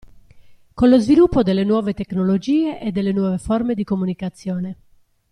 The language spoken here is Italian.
Con lo sviluppo delle nuove tecnologie e delle nuove forme di comunicazione.